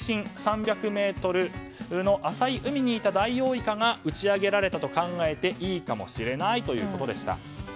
水深３００ｍの浅い海にいたダイオウイカが打ち上げられたと考えていいかもしれないということでした。